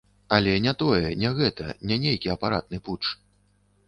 Але не тое, не гэта, не нейкі апаратны путч.